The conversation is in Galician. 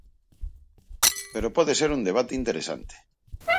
Pero pode ser un debate interesante.